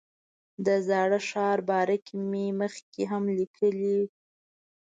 د زاړه ښار باره کې مې مخکې هم لیکلي.